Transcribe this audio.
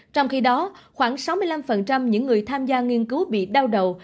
trong khi đó khoảng sáu mươi năm những người tham gia nghiên cứu bị đau đầu